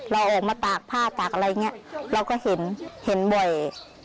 เราออกมาตากผ้าตากอะไรอย่างนี้เราก็เห็นเห็นบ่อย